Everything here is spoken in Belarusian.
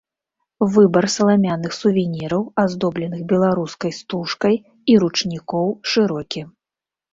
Выбар саламяных сувеніраў, аздобленых беларускай стужкай, і ручнікоў шырокі.